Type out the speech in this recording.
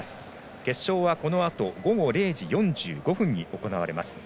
決勝はこのあと午後０時４５分に行われます。